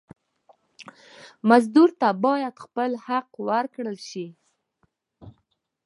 مزدور ته باید خپل حق ورکړل شي.